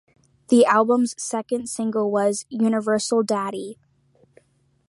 The album's second single was "Universal Daddy".